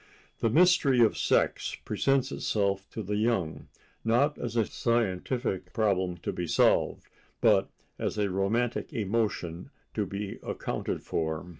The mystery of sex presents itself to the young, not as a scientific problem to be solved, but as a romantic emotion to be accounted for.